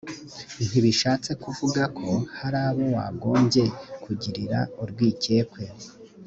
ntibishatse kuvuga ko hari abo wagombye kugirira urwikekwe